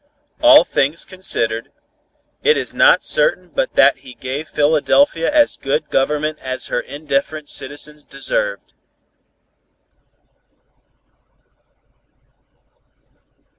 All things considered, it is not certain but that he gave Philadelphia as good government as her indifferent citizens deserved.